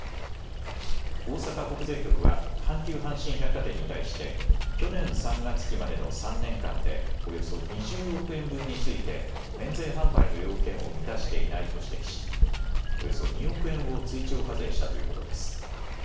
大阪国税局は阪急阪神百貨店に対して去年３月期までの３年間でおよそ２０億円分について免税販売の要件を満たしていないと指摘しおよそ２億円を追徴課税したということです。